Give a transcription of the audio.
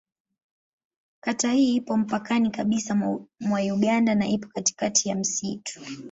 Kata hii ipo mpakani kabisa mwa Uganda na ipo katikati ya msitu.